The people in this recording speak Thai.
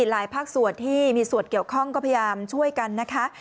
หลายภาคส่วนที่มีส่วนเกี่ยวข้องก็พยายามช่วยกันนะคะ